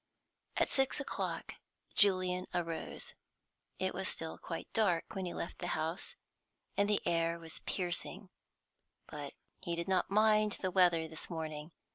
At six o'clock Julian arose. It was still quite dark when he left the house, and the air was piercing. But he did not mind the weather this morning.